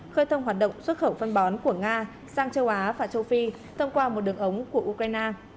khơi thông hoạt động xuất khẩu phân bón của nga sang châu á và châu phi thông qua một đường ống của ukraine